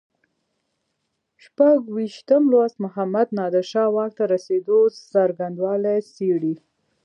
شپږویشتم لوست محمد نادر شاه واک ته رسېدو څرنګوالی څېړي.